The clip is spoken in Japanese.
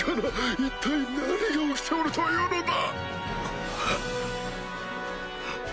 一体何が起きておるというのだ！